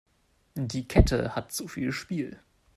Die Kette hat zu viel Spiel.